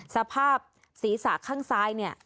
สภาพศีรษะข้างซ้ายเนี่ย